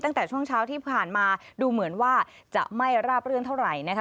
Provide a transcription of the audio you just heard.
ตั้งแต่ช่วงเช้าที่ผ่านมาดูเหมือนว่าจะไม่ราบรื่นเท่าไหร่นะคะ